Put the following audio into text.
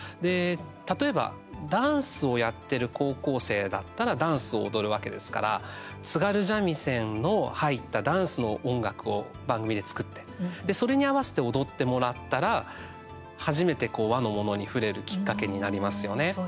例えば、ダンスをやってる高校生だったらダンスを踊るわけですから津軽三味線の入ったダンスの音楽を番組で作ってそれに合わせて踊ってもらったら初めて和のものに触れるきっかけになりますよね。